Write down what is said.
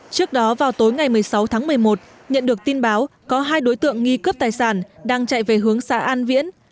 trước đó vào tối ngày một mươi sáu tháng một mươi một nhận được tin báo có hai đối tượng nghi cướp tài sản đang chạy về hướng xã an viễn